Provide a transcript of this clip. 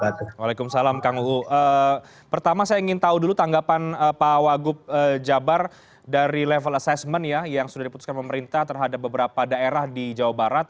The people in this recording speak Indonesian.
waalaikumsalam kang uu pertama saya ingin tahu dulu tanggapan pak wagup jabar dari level assessment yang sudah diputuskan pemerintah terhadap beberapa daerah di jawa barat